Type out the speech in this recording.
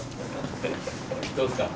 どうっすか？